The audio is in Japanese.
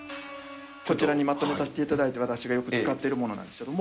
こちらにまとめさせていただいて、私がよく使っているものなんですけれども。